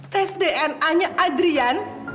tes dna nya adrian